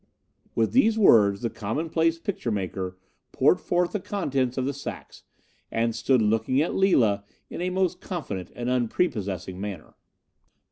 "With these words the commonplace picture maker poured forth the contents of the sacks, and stood looking at Lila in a most confident and unprepossessing manner.